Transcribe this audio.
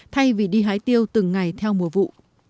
thay vì đi hái tiêu từng ngày theo mùa vụ